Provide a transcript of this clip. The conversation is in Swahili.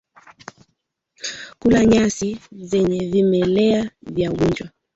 Kula nyasi zenye vimelea vya ugonjwa